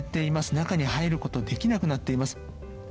中に入ることができなくなっています。